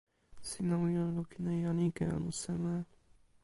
sina wile lukin e jan ike, anu seme?